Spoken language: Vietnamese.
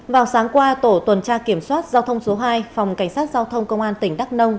vào sáng qua tổ tuần tra kiểm soát giao thông số hai phòng cảnh sát giao thông công an tỉnh đắk nông